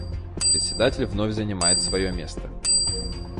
Председатель вновь занимает свое место.